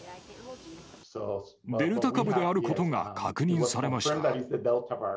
デルタ株であることが確認されました。